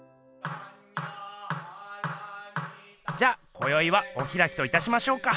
じゃこよいはおひらきといたしましょうか？